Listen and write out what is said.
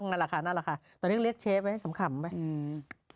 นั่นแหละค่ะนั่นแหละค่ะตอนนี้เรียกเชฟไว้ให้ขำไหมอืม